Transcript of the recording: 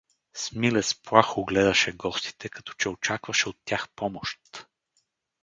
Смилец плахо гледаше гостите, като че очакваше от тях помощ.